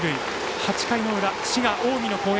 ８回の裏、滋賀・近江の攻撃